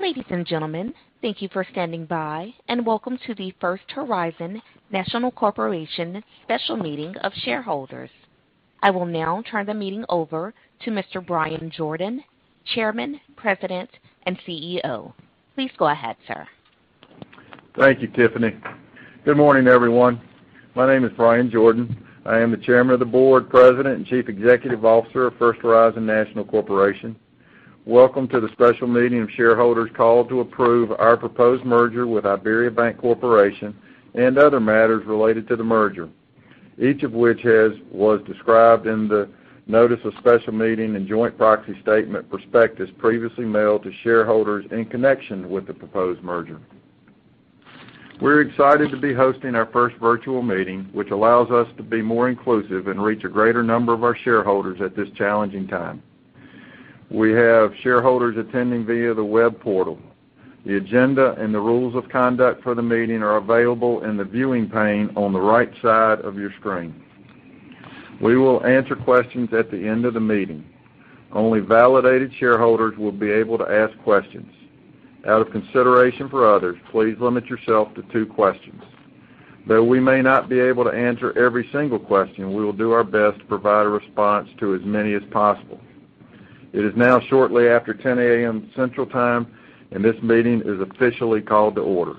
Ladies and gentlemen, thank you for standing by, and welcome to the First Horizon National Corporation special meeting of shareholders. I will now turn the meeting over to Mr. Bryan Jordan, Chairman, President, and CEO. Please go ahead, sir. Thank you, Tiffany. Good morning, everyone. My name is Bryan Jordan. I am the Chairman of the Board, President, and Chief Executive Officer of First Horizon National Corporation. Welcome to the special meeting of shareholders called to approve our proposed merger with IBERIABANK Corporation and other matters related to the merger, each of which was described in the notice of special meeting and joint proxy statement/prospectus previously mailed to shareholders in connection with the proposed merger. We're excited to be hosting our first virtual meeting, which allows us to be more inclusive and reach a greater number of our shareholders at this challenging time. We have shareholders attending via the web portal. The agenda and the rules of conduct for the meeting are available in the viewing pane on the right side of your screen. We will answer questions at the end of the meeting. Only validated shareholders will be able to ask questions. Out of consideration for others, please limit yourself to two questions. Though we may not be able to answer every single question, we will do our best to provide a response to as many as possible. It is now shortly after 10:00A.M. Central Time, and this meeting is officially called to order.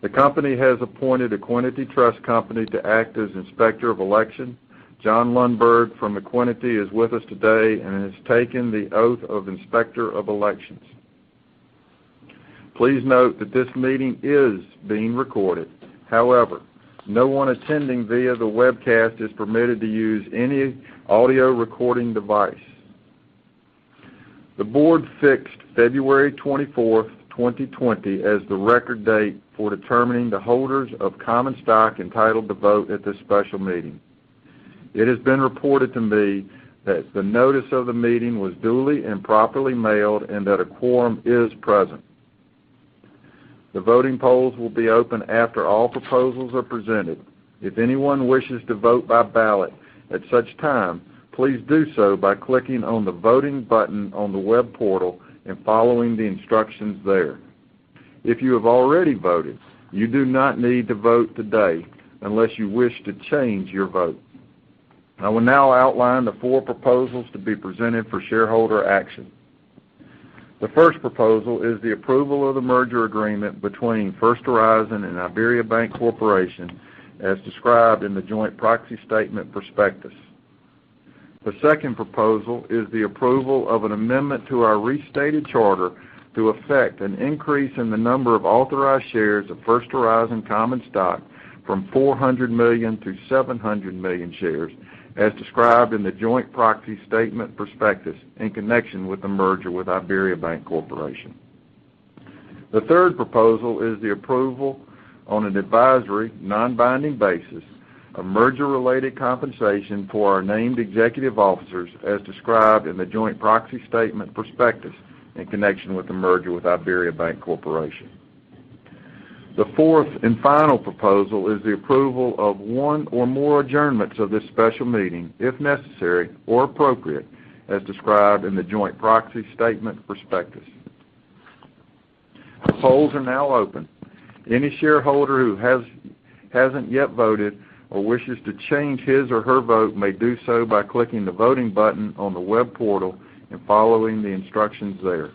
The company has appointed Equiniti Trust Company to act as Inspector of Election. John Lundberg from Equiniti is with us today and has taken the oath of Inspector of Election. Please note that this meeting is being recorded. However, no one attending via the webcast is permitted to use any audio recording device. The board fixed February 24, 2020, as the record date for determining the holders of common stock entitled to vote at this special meeting. It has been reported to me that the notice of the meeting was duly and properly mailed and that a quorum is present. The voting polls will be open after all proposals are presented. If anyone wishes to vote by ballot at such time, please do so by clicking on the voting button on the web portal and following the instructions there. If you have already voted, you do not need to vote today unless you wish to change your vote. I will now outline the four proposals to be presented for shareholder action. The first proposal is the approval of the merger agreement between First Horizon and IBERIABANK Corporation, as described in the joint proxy statement/prospectus. The second proposal is the approval of an amendment to our restated charter to effect an increase in the number of authorized shares of First Horizon common stock from 400 million-700 million shares, as described in the joint proxy statement/prospectus in connection with the merger with IBERIABANK Corporation. The third proposal is the approval on an advisory, non-binding basis, a merger-related compensation for our named executive officers as described in the joint proxy statement/prospectus in connection with the merger with IBERIABANK Corporation. The fourth and final proposal is the approval of one or more adjournments of this special meeting, if necessary or appropriate, as described in the joint proxy statement/prospectus. The polls are now open. Any shareholder who hasn't yet voted or wishes to change his or her vote may do so by clicking the voting button on the web portal and following the instructions there.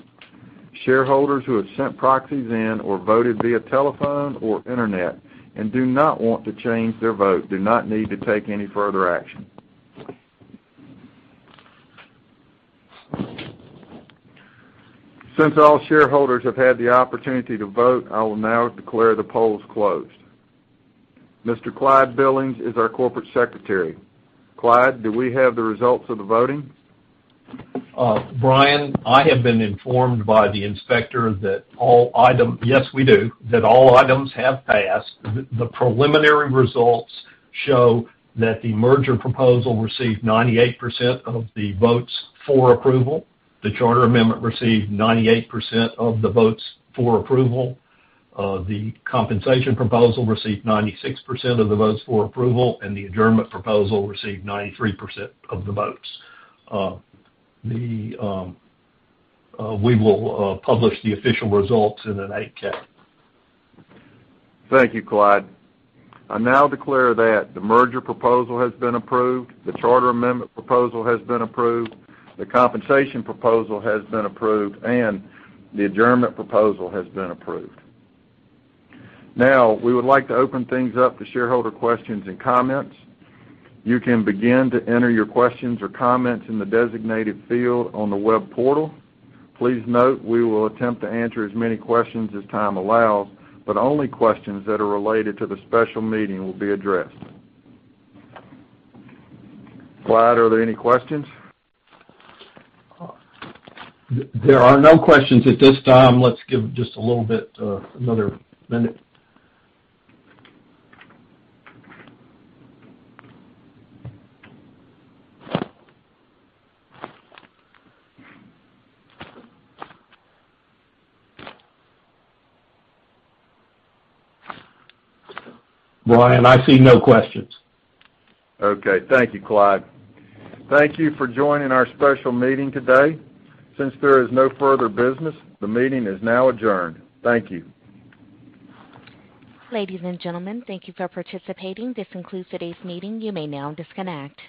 Shareholders who have sent proxies in or voted via telephone or internet and do not want to change their vote do not need to take any further action. Since all shareholders have had the opportunity to vote, I will now declare the polls closed. Mr. Clyde Billings is our Corporate Secretary. Clyde, do we have the results of the voting? Bryan, I have been informed by the Inspector, yes, we do, that all items have passed. The preliminary results show that the merger proposal received 98% of the votes for approval. The charter amendment received 98% of the votes for approval. The compensation proposal received 96% of the votes for approval, and the adjournment proposal received 93% of the votes. We will publish the official results in an 8-K. Thank you, Clyde. I now declare that the merger proposal has been approved, the charter amendment proposal has been approved, the compensation proposal has been approved, and the adjournment proposal has been approved. We would like to open things up to shareholder questions and comments. You can begin to enter your questions or comments in the designated field on the web portal. Please note we will attempt to answer as many questions as time allows, but only questions that are related to the special meeting will be addressed. Clyde, are there any questions? There are no questions at this time. Let's give just a little bit, another minute. Bryan, I see no questions. Okay. Thank you, Clyde. Thank you for joining our special meeting today. Since there is no further business, the meeting is now adjourned. Thank you. Ladies and gentlemen, thank you for participating. This concludes today's meeting. You may now disconnect.